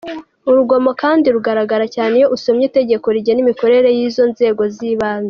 Urugomo kandi rugaragara cyane iyo usomye Itegeko rigena imikorere y’izo nzego z’ibanze.